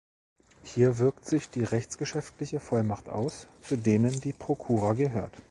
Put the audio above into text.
Hier wirkt sich die rechtsgeschäftliche Vollmacht aus, zu denen die Prokura gehört.